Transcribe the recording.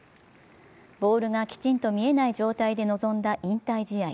ボールがきちんと見えない状態で臨んだ引退試合。